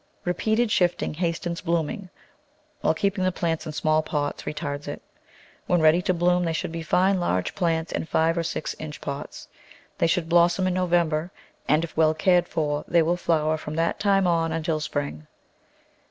Re peated shifting hastens blooming, while keeping the plants in small pots retards it. When ready to bloom they should be fine, large plants in five or six inch pots. They should blossom in November and, if well cared for, they will flower from that time on until spring.